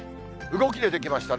動き出てきましたね。